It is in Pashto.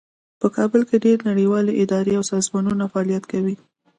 په کابل کې ډیرې نړیوالې ادارې او سازمانونه فعالیت کوي